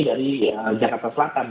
dari jakarta selatan